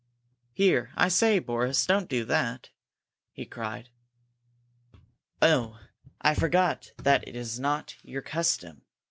"Here I say, Boris, don't do that!" he cried. "Oh, I forgot that is not your custom!"